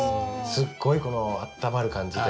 すっごいあったまる感じで。